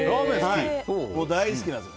大好きなんです。